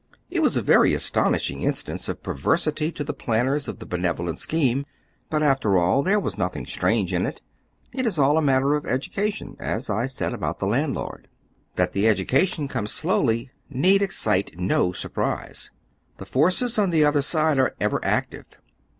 It was a very astonish ing instance of perversity to the planners of the benevo lent scheme ; but, after all, there was nothing strange in it. It is all a matter of education, as I said about the landlord. That the education comes slowly need excite no sur prise. The forces on the other side are ever active.